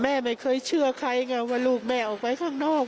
แม่ไม่เคยเชื่อใครไงว่าลูกแม่ออกไปข้างนอก